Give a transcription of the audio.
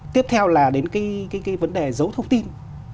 tiếp theo là đến cái vấn đề giấu thông tin